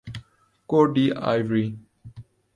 quote d' Ivory